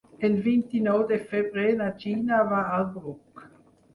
El vint-i-nou de febrer na Gina va al Bruc.